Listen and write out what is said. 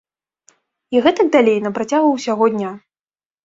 І гэтак далей на працягу ўсяго дня.